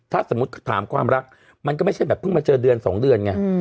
ถ้าสมมุติถามความรักมันก็ไม่ใช่แบบเพิ่งมาเจอเดือน๒เดือนไง